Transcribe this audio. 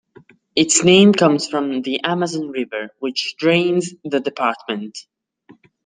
Its name comes from the Amazon River which drains the department.